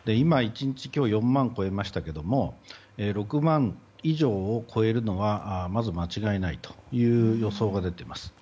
今日は４万超えましたが６万以上を超えるのはまず間違いないという予想が出ています。